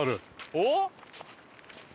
おっ？